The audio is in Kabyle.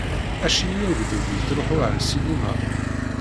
Acimi agdud yettṛuhu ar ssinima?